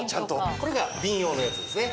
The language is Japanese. これが瓶用のやつですね。